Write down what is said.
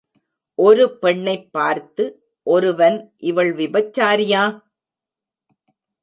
ஒரு பெண்ணைப் பார்த்து ஒருவன் இவள் விபச்சாரியா?